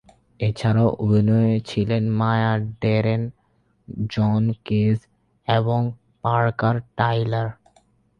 এছাড়াও অভিনয়ে ছিলেন মায়া ডেরেন, জন কেজ এবং পার্কার টাইলার।